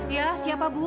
iya siapa bu